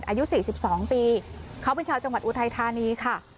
อายุ๔๒ปีเขาเป็นชาวจังหวัดอุทัยธานีค่ะ